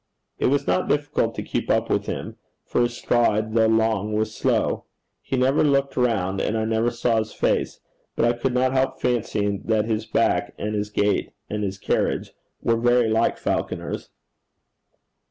It was not difficult to keep up with him, for his stride though long was slow. He never looked round, and I never saw his face; but I could not help fancying that his back and his gait and his carriage were very like Falconer's.